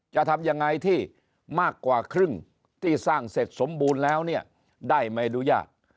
จะทำยังไงที่มากกว่าครึ่งที่สร้างเสร็จสมบูรณ์แล้วเนี่ยได้ไม่อนุญาต